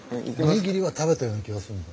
お握りは食べたような気がするの。